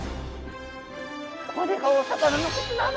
これがお魚の口なの？